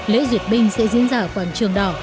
lễ duyệt binh sẽ diễn ra ở quảng trường đỏ